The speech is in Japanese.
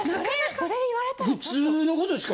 それ言われたら。